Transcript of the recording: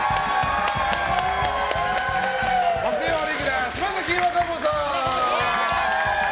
木曜レギュラー島崎和歌子さん！